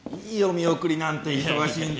見送りなんて忙しいんだから。